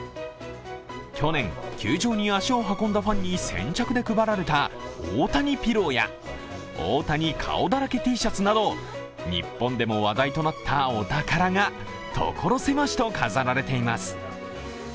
去年、球場に足を運んだファンに先着で配られた大谷ピローや大谷顔だらけＴシャツなど日本でも話題となったお宝が所狭しと飾られています。